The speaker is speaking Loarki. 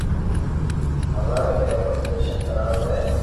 ھواري اي رو آپريݾن ڪراوہ ھي